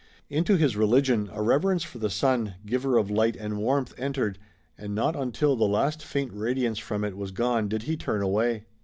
Into his religion a reverence for the sun, Giver of Light and Warmth, entered, and not until the last faint radiance from it was gone did he turn away.